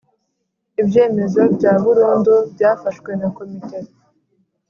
Ibyemezo bya burundu byafashwe na Komite